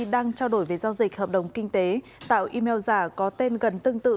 đang trao đổi về giao dịch hợp đồng kinh tế tạo email giả có tên gần tương tự